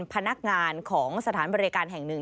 พนักงานของสถานบริการแห่งหนึ่ง